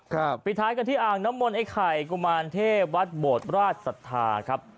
ปิดท้ายกันที่อ่างน้ำมนต์ไอ้ไข่กุมารเทพวัดโบดราชศรัทธาครับ